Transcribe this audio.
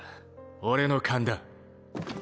俺の勘だ。